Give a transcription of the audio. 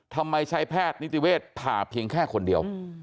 ทำไมใช้แพทย์นิติเวศผ่าเพียงแค่คนเดียว